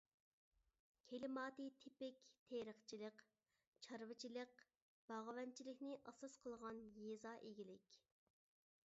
كىلىماتى تىپىك تېرىقچىلىق، چارۋىچىلىق، باغۋەنچىلىكنى ئاساس قىلغان يېزا ئىگىلىك.